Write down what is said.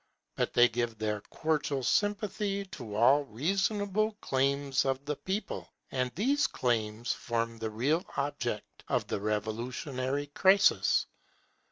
But they give their cordial sympathy to all reasonable claims of the people; and these claims form the real object of the revolutionary crisis.